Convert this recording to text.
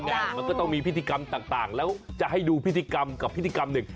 มันก็ต้องมีพิธีกรรมต่างแล้วจะให้ดูพิธีกรรมกับพิธีกรรมหนึ่ง